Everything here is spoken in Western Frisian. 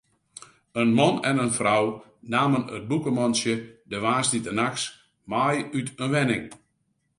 In man en in frou namen it bûkemantsje de woansdeitenachts mei út in wenning.